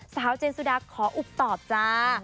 เจนสุดาขออุบตอบจ้า